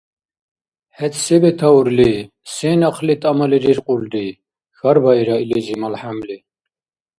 – ХӀед се бетаурли, сен ахъли тӀамалириркьулри? – хьарбаира илизи малхӀямли.